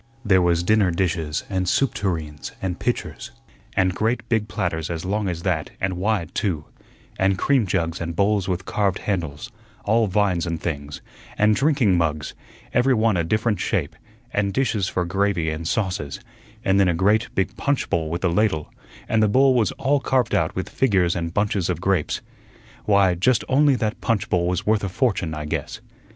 There was dinner dishes and soup tureens and pitchers; and great, big platters as long as that and wide too; and cream jugs and bowls with carved handles, all vines and things; and drinking mugs, every one a different shape; and dishes for gravy and sauces; and then a great, big punch bowl with a ladle, and the bowl was all carved out with figures and bunches of grapes. Why, just only that punch bowl was worth a fortune, I guess.